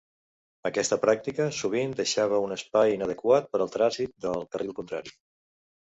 Aquesta pràctica sovint deixava un espai inadequat per al trànsit del carril contrari.